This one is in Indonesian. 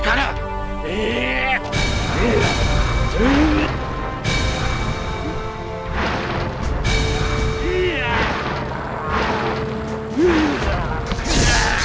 aku akan mengambilmu